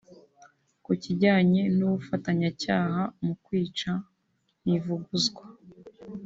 Ku kijyanye n’ubufatanyacyaha mu kwica Ntivuguzwa